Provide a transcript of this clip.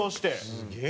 すげえ。